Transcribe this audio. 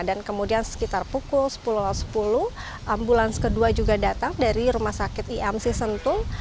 dan kemudian sekitar pukul sepuluh sepuluh ambulan kedua juga datang dari rumah sakit imc sentul